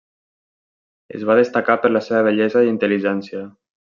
Es va destacar per la seva bellesa i intel·ligència.